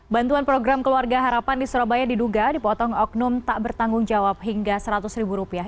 bantuan program keluarga harapan di surabaya diduga dipotong oknum tak bertanggung jawab hingga seratus ribu rupiah